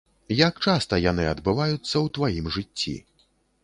Як часта яны адбываюцца ў тваім жыцці?